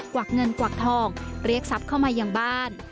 วักเงินกวักทองเรียกทรัพย์เข้ามายังบ้าน